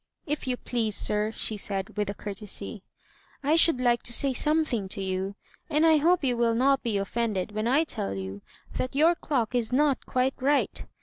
"If you please, sir," she said, with a courtesy, "I should like to say something to you. And I hope you will not be offended when I tell you that your clock is not quite right.